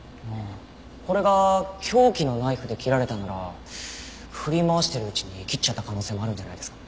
これが凶器のナイフで切られたなら振り回してるうちに切っちゃった可能性もあるんじゃないですか？